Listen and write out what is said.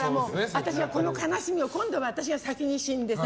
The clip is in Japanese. この悲しみを今度は私が先に死んでさ